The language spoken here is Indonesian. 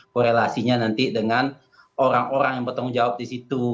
korelasinya nanti dengan orang orang yang bertanggung jawab di situ